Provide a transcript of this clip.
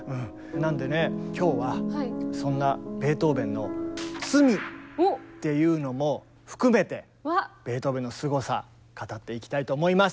なんでね今日はそんなベートーベンの罪っていうのも含めてベートーベンのすごさ語っていきたいと思います。